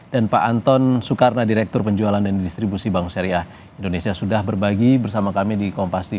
dan pak anton soekarno direktur penjualan dan distribusi bangun seriah indonesia sudah berbagi bersama kami di kompas tvri